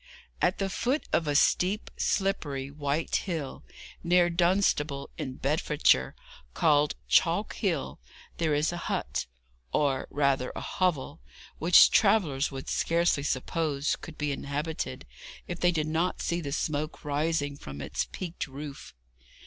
At the foot of a steep, slippery, white hill, near Dunstable, in Bedfordshire, called Chalk Hill, there is a hut, or rather a hovel, which travellers would scarcely suppose could be inhabited, if they did not see the smoke rising from its peaked roof.